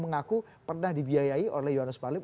mengaku pernah dibiayai oleh johannes marlin